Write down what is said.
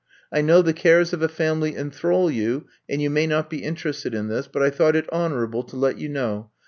I know the cares of a family enthrall you and you may not be interested in this, but I thought it honorable to let you know.